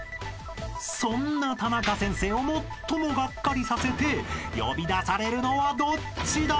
［そんなタナカ先生を最もがっかりさせて呼び出されるのはどっちだ？］